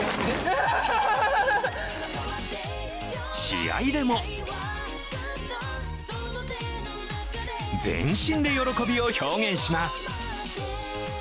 試合でも全身で喜びを表現します。